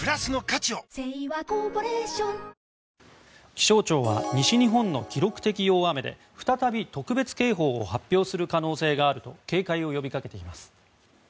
気象庁は西日本の記録的大雨で再び特別警報を発表する可能性があると警戒を呼びかけています。